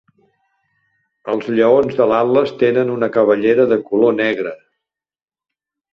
Els lleons de l'Atles tenen una cabellera de color negre.